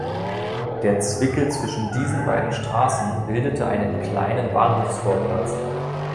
Der Zwickel zwischen diesen beiden Straßen bildete einen kleinen Bahnhofsvorplatz.